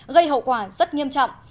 gây hậu quả rất nghiêm trọng